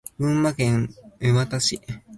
群馬県沼田市